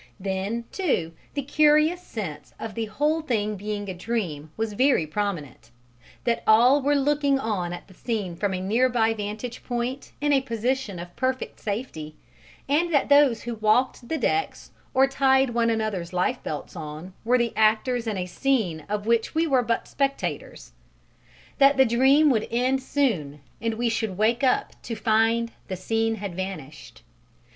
Then, too, the curious sense of the whole thing being a dream was very prominent: that all were looking on at the scene from a near by vantage point in a position of perfect safety, and that those who walked the decks or tied one another's lifebelts on were the actors in a scene of which we were but spectators: that the dream would end soon and we should wake up to find the scene had vanished.